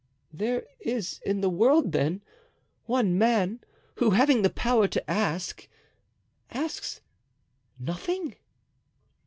"There is in the world, then, one man who, having the power to ask, asks—nothing!"